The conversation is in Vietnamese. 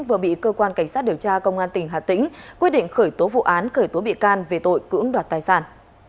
vừa bị cơ quan cảnh sát điều tra công an tỉnh hà tĩnh quyết định khởi tố vụ án khởi tố bị can về tội cưỡng đoạt tài sản